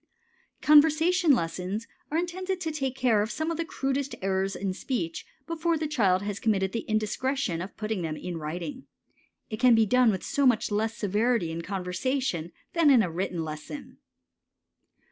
Conversation lessons are intended to take care of some of the crudest errors in speech before the child has committed the indiscretion of putting them in writing. It can be done with so much less severity in conversation than in a written lesson.